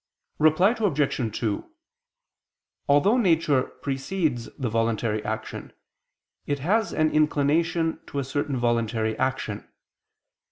Reply Obj. 2: Although nature precedes the voluntary action, it has an inclination to a certain voluntary action.